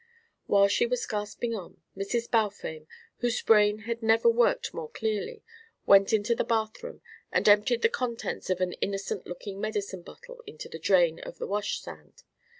While she was gasping on, Mrs. Balfame, whose brain had never worked more clearly, went into the bathroom and emptied the contents of an innocent looking medicine bottle into the drain of the wash stand.